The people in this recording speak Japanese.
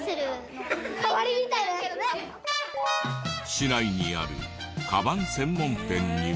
市内にあるカバン専門店には。